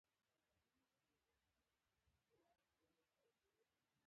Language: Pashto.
ګوتو يې لوند تودوالی احساس کړ.